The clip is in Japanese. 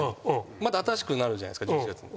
また新しくなるじゃないですか１１月に。